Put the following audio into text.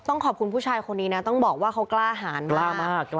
ต้องขอบคุณผู้ชายคนนี้นะต้องบอกว่าเขากล้าหารมาก